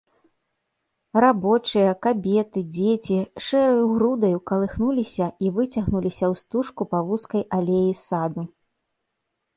Рабочыя, кабеты, дзеці шэраю грудаю калыхнуліся і выцягнуліся ў стужку па вузкай алеі саду.